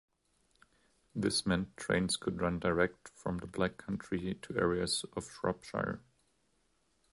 This meant trains could run direct from the Black Country to areas of Shropshire.